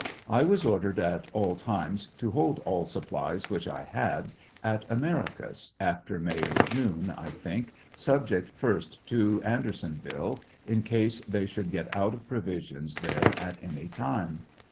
I was ordered at all times to hold all supplies which I had at Americus, after May or June, I think, subject, first, to Andersonville,' in case they should get out of provisions there at any time.